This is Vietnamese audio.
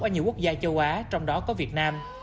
ở nhiều quốc gia châu á trong đó có việt nam